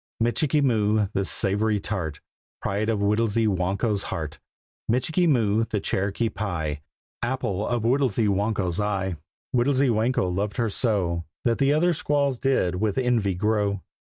Michikee Moo, the Savoury Tart, Pride of Whittlesy Whanko's heart. Michikee Moo, the Cherokee Pie, Apple of Whittlesy Whanko's eye. Whittlesy Whanko loved her so That the other squaws did with envy glow.